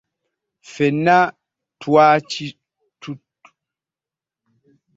Ffenna twaki tutudde nga abaweereza.